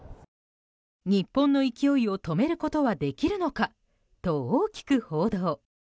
日本の勢いを止めることはできるのかと大きく報道。